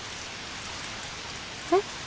えっ？